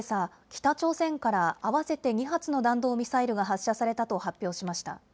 北朝鮮から合わせて２発の弾道ミサイルが発射されたと発表しました。